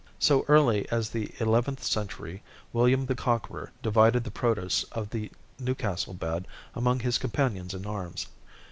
So early as the eleventh century, William the Conqueror divided the produce of the Newcastle bed among his companions in arms.